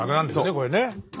これね。